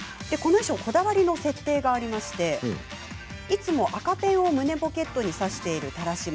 こだわりの設定がありましていつも赤ペンを胸ポケットに差している田良島。